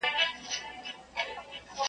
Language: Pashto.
هر سړی به مستقیم پر لاري تللای .